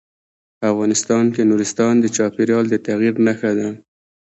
افغانستان کې نورستان د چاپېریال د تغیر نښه ده.